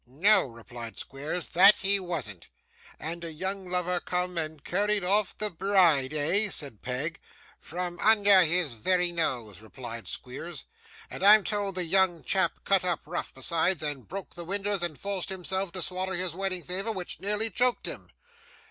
'No,' replied Squeers, 'that he wasn't!' 'And a young lover come and carried off the bride, eh?' said Peg. 'From under his very nose,' replied Squeers; 'and I'm told the young chap cut up rough besides, and broke the winders, and forced him to swaller his wedding favour which nearly choked him.